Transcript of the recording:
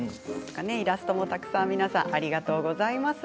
イラストもたくさん皆さんありがとうございます。